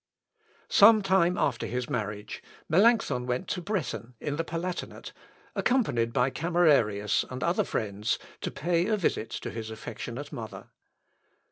] Some time after his marriage, Melancthon went to Bretten, in the Palatinate, accompanied by Camerarius and other friends, to pay a visit to his affectionate mother.